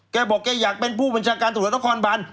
แกบอกแกอยากเป็นผู้บัญชาการตำรวจนครบาน